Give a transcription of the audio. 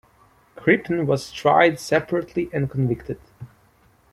Crippen was tried separately and convicted.